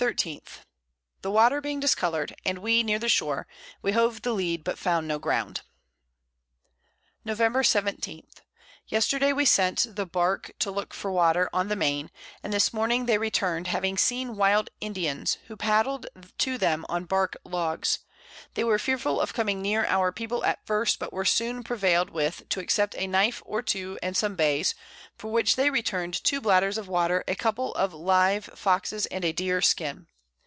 _ The Water being discolour'd, and we near the Shore, we hove the Lead but found no Ground. Nov. 17. Yesterday we sent the Bark to look for Water on the Main, and this Morning they return'd, having seen wild Indians who padled to them on Bark Logs; they were fearful of coming near our People at first, but were soon prevail'd with to accept of a Knife or two and some Bays, for which they return'd 2 Bladders of Water, a Couple of live Foxes, and a dear Skin.